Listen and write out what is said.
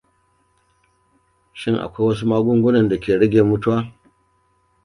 Shin akwai wasu magungunan da ke rage mutuwa?